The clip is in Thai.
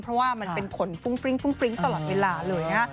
เพราะว่ามันเป็นขนฟุ้งฟริ้งฟริ้งตลอดเวลาเลยนะ